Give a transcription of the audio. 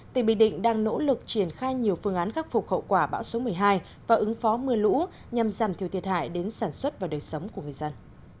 tỉnh bình định đang nỗ lực triển khai nhiều phương án khắc phục hậu quả bão số một mươi hai và ứng phó mưa lũ nhằm giảm thiểu thiệt hại đến sản xuất và đời sống của người dân